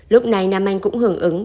lúc này nam anh cũng hưởng ứng